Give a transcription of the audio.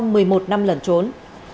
một năm lần trốn